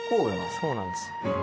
そうなんですよ。